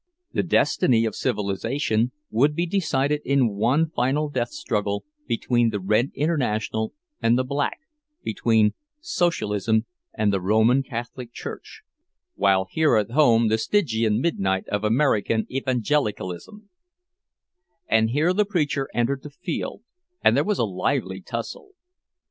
The destiny of civilization would be decided in one final death struggle between the Red International and the Black, between Socialism and the Roman Catholic Church; while here at home, "the stygian midnight of American evangelicalism—" And here the ex preacher entered the field, and there was a lively tussle.